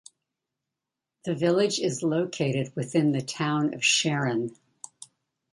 The village is located within the Town of Sharon.